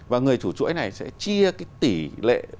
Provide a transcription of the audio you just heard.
và người chủ chuỗi này sẽ chia cái tỷ lệ